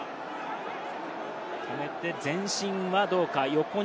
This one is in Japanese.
止めて前進はどうか？